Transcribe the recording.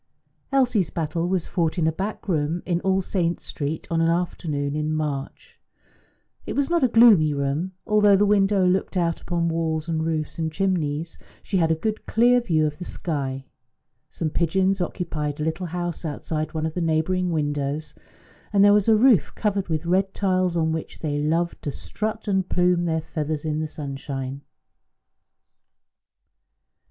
Elsie's battle was fought in a back room in All Saints' Street on an afternoon in March. It was not a gloomy room; although the window looked out upon walls and roofs and chimneys, she had a good clear view of the sky. Some pigeons occupied a little house outside one of the neighbouring windows, and there was a roof covered with red tiles on which they loved to strut and plume their feathers in the sunshine.